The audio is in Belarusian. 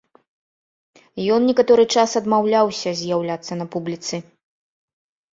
Ён некаторы час адмаўляўся з'яўляцца на публіцы.